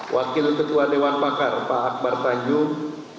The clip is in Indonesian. wakil ketua dewan pakar pak akbar tanjung